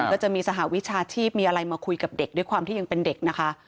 ก็จะมีสหวิชาชีพมีอะไรมาคุยกับเด็กด้วยความที่ยังเป็นเด็กนะคะ